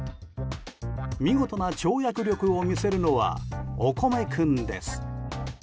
見事な跳躍力を見せるのはおこめ君です。